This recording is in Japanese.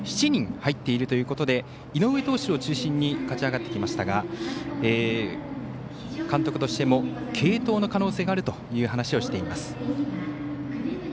７人入っているということで井上投手を中心に勝ち上がってきましたが監督としても継投の可能性があるという話をしています。